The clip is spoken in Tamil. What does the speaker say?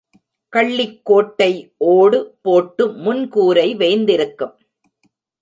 கள்ளிக் கோட்டை ஓடு போட்டு முன்கூரை வேய்ந்திருக்கும்.